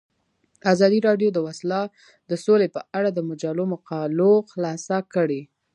ازادي راډیو د سوله په اړه د مجلو مقالو خلاصه کړې.